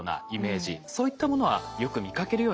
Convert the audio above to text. そういったものはよく見かけるようになりましたよね。